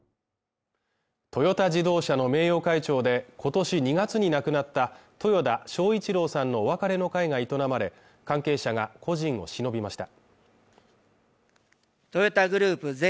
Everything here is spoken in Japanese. トヨタ自動車の名誉会長で、今年２月に亡くなった豊田章一郎さんのお別れの会が営まれ、関係者が故人を偲びました。